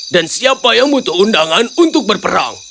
dan siapa yang butuh undangan untuk berperang